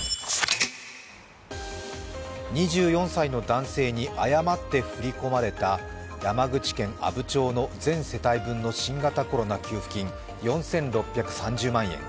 ２４歳の男性に誤って振り込まれた山口県阿武町の全世帯分の新型コロナ給付金４６３０万円。